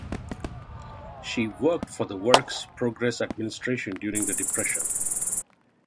She worked for the Works Progress Administration during the Depression.